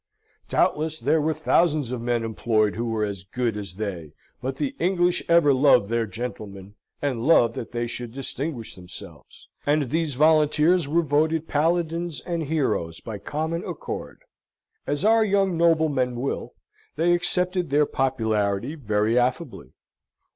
Doubtless there were thousands of men employed who were as good as they but the English ever love their gentlemen, and love that they should distinguish themselves; and these volunteers were voted Paladins and heroes by common accord. As our young noblemen will, they accepted their popularity very affably.